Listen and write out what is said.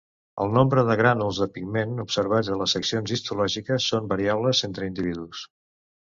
El nombre de grànuls de pigment observats a les seccions histològiques són variables entre individus.